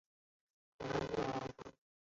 孔布兰欧蓬。